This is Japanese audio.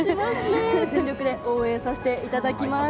全力で応援させていただきます。